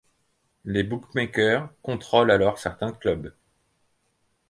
Les bookmakers contrôlent alors certains clubs.